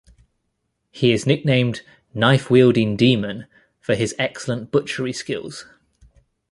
He is nicknamed "Knife Wielding Demon" for his excellent butchery skills.